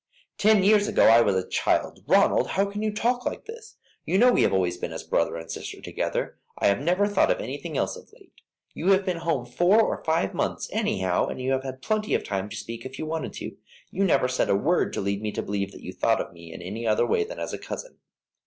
"Ten years ago I was a child. Ronald, how can you talk like this! You know we have always been as brother and sister together. I have never thought of anything else of late. You have been home four or five months, anyhow, and you have had plenty of time to speak if you wanted to. You never said a word to lead me to believe that you thought of me in any other way than as a cousin."